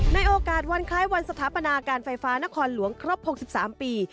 ในโอกาสวันคล้ายวันสถาปนาการไฟฟ้านครหลวงครบ๖๓ปี